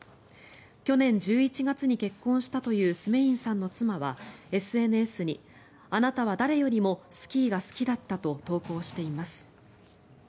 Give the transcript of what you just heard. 去年１１月に結婚したというスメインさんの妻はＳＮＳに、あなたは誰よりもスキーが好きだったと投稿しています。